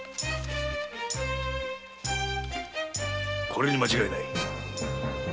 これに間違いない。